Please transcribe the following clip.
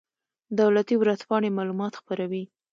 دولتي ورځپاڼې معلومات خپروي